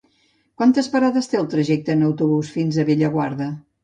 Quantes parades té el trajecte en autobús fins a Bellaguarda?